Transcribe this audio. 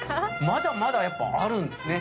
まだまだあるんですね。